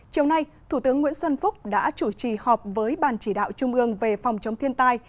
chiều nay thủ tướng nguyễn xuân phúc đã chủ trì họp với ban chỉ đạo trung ương về phòng chống thiên tai